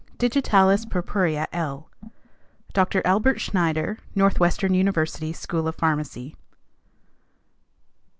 (Digitalis purpurea L.) DR. ALBERT SCHNEIDER, Northwestern University School of Pharmacy.